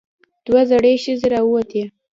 دوه زړې ښځې راووتې.